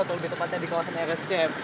atau lebih tepatnya di kawasan rscm